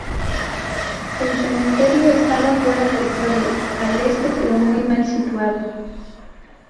El cementerio estaba fuera del pueblo, al este, pero muy mal situado.